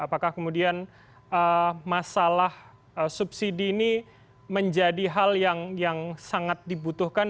apakah kemudian masalah subsidi ini menjadi hal yang sangat dibutuhkan